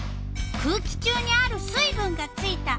「空気中にある水分がついた」。